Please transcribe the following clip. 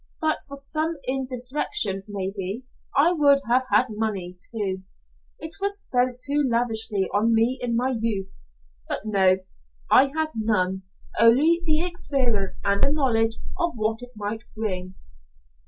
But for some indiscretion maybe I would have had money, too. It was spent too lavishly on me in my youth. But no. I had none only the experience and the knowledge of what it might bring.